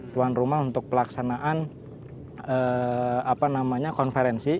tuan rumah untuk pelaksanaan konferensi